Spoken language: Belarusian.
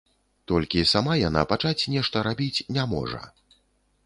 Толькі сама яна пачаць нешта рабіць не можа.